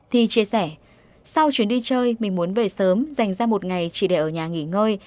thì chia sẻ sau chuyến đi chơi mình muốn về sớm dành ra một ngày chỉ để ở nhà nghỉ ngơi